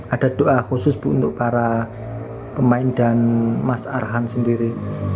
ada doa khusus bu untuk para pemain dan mas arhan sendiri